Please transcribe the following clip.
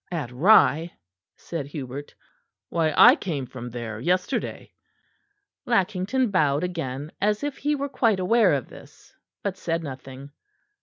"At Rye," said Hubert, "why I came from there yesterday." Lackington bowed again, as if he were quite aware of this; but said nothing.